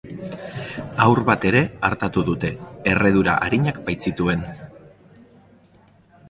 Haur bat ere artatu dute, erredura arinak baitzituen.